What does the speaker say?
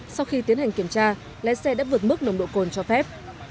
sau khi tiến hành kiểm tra lái xe đã vượt mức nồng độ cồn cho phép